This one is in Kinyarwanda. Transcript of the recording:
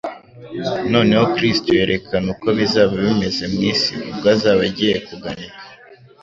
Noneho Kristo yerekana uko bizaba bimeze mu isi ubwo azaba agiye kuganika,